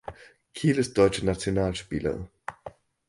Kiehl ist deutscher Nationalspieler.